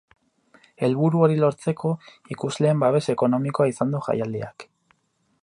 Helburu hori lortzeko, ikusleen babes ekonomikoa izan du jaialdiak.